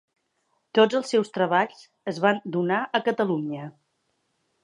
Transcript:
Tots els seus treballs es van donar a Catalunya.